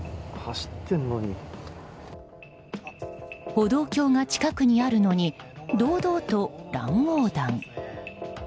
歩道橋が近くにあるのに堂々と乱横断。